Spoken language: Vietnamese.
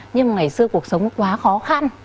nhưng mà ngày xưa cuộc sống quá khó khăn